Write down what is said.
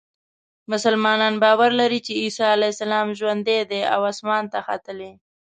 مسلمانان باور لري چې عیسی علیه السلام ژوندی دی او اسمان ته ختلی.